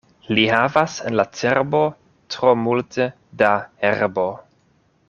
Li havas en la cerbo tro multe da herbo.